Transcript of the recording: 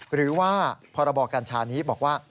หรือว่าพรบกัญชานี้บอกว่า